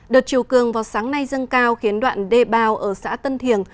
đợt chiều cường vào sáng nay dâng cao khiến đoạn đề bào ở xã tân thiền